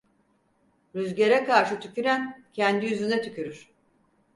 Rüzgâra karşı tüküren, kendi yüzüne tükürür.